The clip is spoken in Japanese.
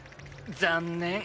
残念。